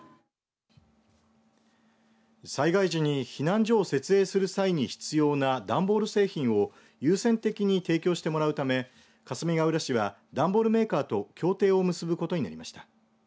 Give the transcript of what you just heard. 災害の際、避難所を設営する際に必要な段ボール製品を優先的に提供してもらうためかすみがうら市は段ボールメーカーと協定を結ぶことになりました。